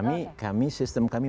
iya sistem kami